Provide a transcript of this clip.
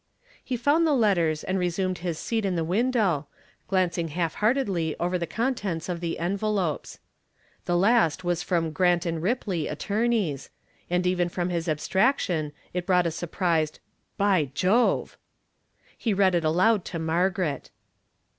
He found the letters and resumed his seat in the window, glancing half heartedly over the contents of the envelopes. The last was from Grant & Ripley, attorneys, and even from his abstraction it brought a surprised "By Jove!" He read it aloud to Margaret.